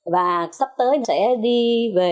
và sắp tới sẽ đi về